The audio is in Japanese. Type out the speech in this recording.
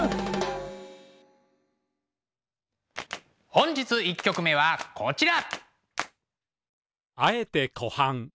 本日１曲目はこちら。